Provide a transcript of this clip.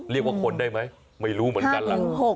เรียกว่าคนได้ไหมไม่รู้เหมือนกันล่ะ